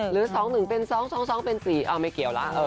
หรือ๒๑เป็น๒๒เป็น๔ไม่เกี่ยวแล้ว